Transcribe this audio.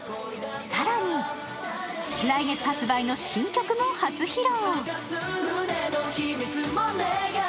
更に、来月発売の新曲も初披露。